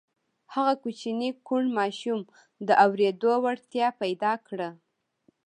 هغه کوچني کوڼ ماشوم د اورېدو وړتيا پيدا کړه.